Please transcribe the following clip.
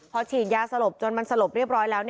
พอฉีดยาสลบจนมันสลบเรียบร้อยแล้ว